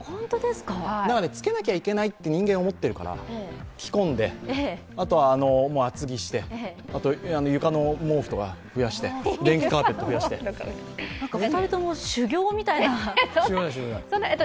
つけなきゃいけないって人間思ってるから、着込んで、あとは厚着して、あと床の毛布とか増やして、電気カーペット増やして。